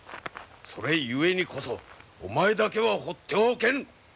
それゆえにこそお前だけは放ってはおけぬ！